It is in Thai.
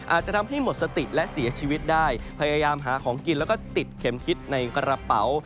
อาจจะทำให้หมดสติและเสียชีวิตได้พยายามหาของกินแล้วก็ติดเข็มคิดในกระเป๋า